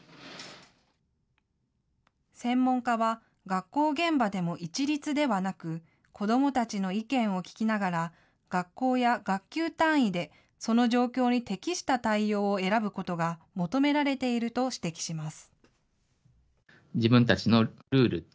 専門家は学校現場でも一律ではなく子どもたちの意見を聞きながら学校や学級単位でその状況に適した対応を選ぶことが求められていると指摘します。